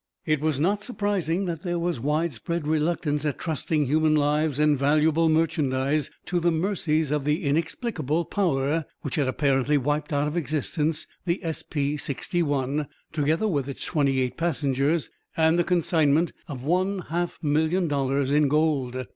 It was not surprising that there was widespread reluctance at trusting human lives and valuable merchandise to the mercies of the inexplicable power which had apparently wiped out of existence the SF 61, together with its twenty eight passengers and the consignment of one half million dollars in gold.